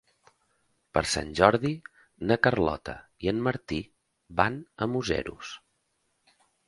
Per Sant Jordi na Carlota i en Martí van a Museros.